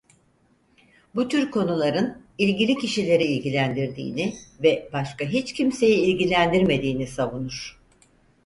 Bu tür konuların ilgili kişileri ilgilendirdiğini ve başka hiç kimseyi ilgilendirmediğini savunur.